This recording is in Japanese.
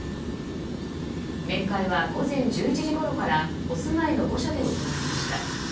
面会は午前１１時ごろからお住まいの御所で行われました。